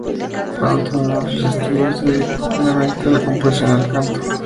Cuando terminó sus estudios, se dedicó plenamente a la composición y al canto.